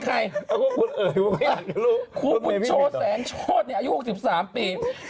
ครูพูดโชว์แซงโชทเราอยู่๖๓ปี